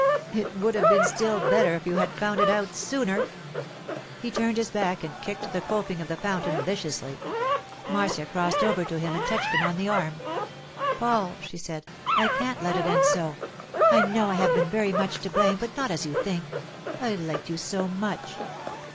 It would have been still better if you had found it out sooner.' He turned his back and kicked the coping of the fountain viciously. Marcia crossed over to him and touched him on the arm. 'Paul,' she said, 'I can't let it end so. I know I have been very much to blame, but not as you think. I liked you so much.